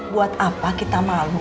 buat apa kita malu